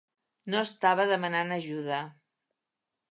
No estava demanant ajuda.